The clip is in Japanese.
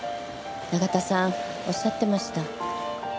永田さんおっしゃってました。